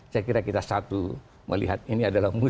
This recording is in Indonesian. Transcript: saya kira kita satu melihat ini adalah musuh